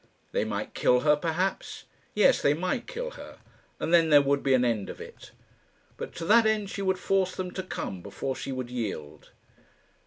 They might kill her, perhaps. Yes, they might kill her; and then there would be an end of it. But to that end she would force them to come before she would yield.